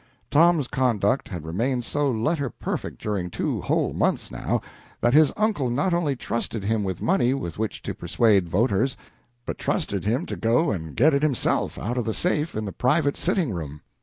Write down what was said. Tom's conduct had remained so letter perfect during two whole months, now, that his uncle not only trusted him with money with which to persuade voters, but trusted him to go and get it himself out of the safe in the private sitting room.